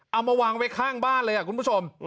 เอามาวางไว้ข้างบ้านเลยคุณผู้ชม